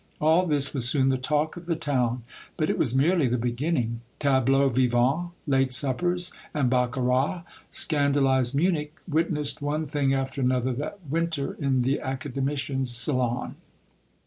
All this was soon the talk of the town, but it was merely the beginning. Tableaux vivants, The Clock of BougivaL 67 late suppers and baccarat, — scandalized Munich witnessed one thing after another that winter in the academician's salon.